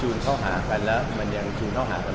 หรือว่ามีอะไรที่ควรติดค้าในใจกันอยู่ระหว่างเรา